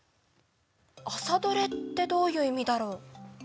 朝どれってどういう意味だろう。